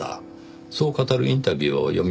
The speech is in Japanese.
そう語るインタビューを読みました。